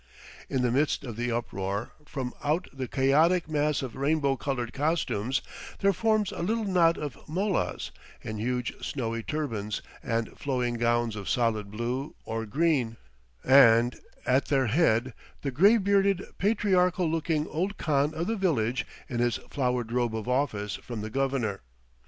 In the midst of the uproar, from out the chaotic mass of rainbow colored costumes, there forms a little knot of mollahs in huge snowy turbans and flowing gowns of solid blue or green, and at their head the gray bearded patriarchal looking old khan of the village in his flowered robe of office from the governor.